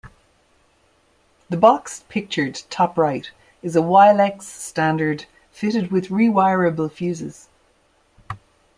The box pictured top-right is a "Wylex standard" fitted with rewirable fuses.